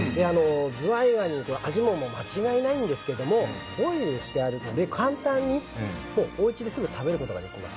ズワイガニの味も間違いないんですけれどもボイルしてあるので簡単にお家ですぐ食べることができます。